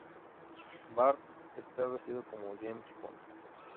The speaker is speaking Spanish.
Bart está vestido como James Bond.